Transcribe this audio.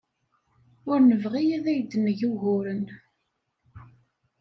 Ur nebɣi ad ak-d-neg uguren.